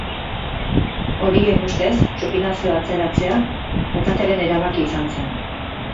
Horien ustez, txupinazoa atzeratzea alkatearen erabakia izan zen.